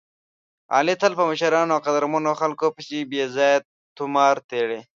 علي تل په مشرانو او قدرمنو خلکو پسې بې ځایه طومار تړي.